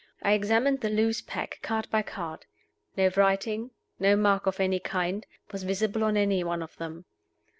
I examined the loose pack, card by card. No writing, no mark of any kind, was visible on any one of them.